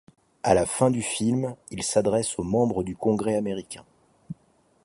À la fin du film, il s'adresse aux membres du Congrès américain.